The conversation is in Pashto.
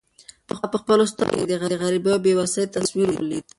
ما په خپلو سترګو کې د غریبۍ او بې وسۍ تصویر ولید.